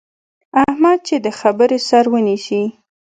احمد چې د خبرې سر ونیسي،